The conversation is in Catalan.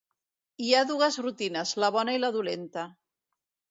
Hi ha dues rutines, la bona i la dolenta.